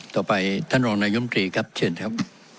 ต่อไปท่านรองรองรายงานยุคมนตรีครับเชิญครับ